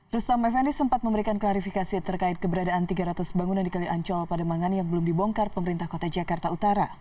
rustam fnd sempat memberikan klarifikasi terkait keberadaan tiga ratus bangunan di kali ancol pademangan yang belum dibongkar pemerintah kota jakarta utara